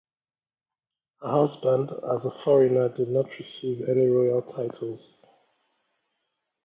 Her husband, as a foreigner, did not receive any royal titles.